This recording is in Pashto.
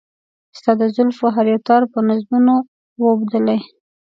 ستا د زلفو هر يو تار په نظمونو و اوبدي .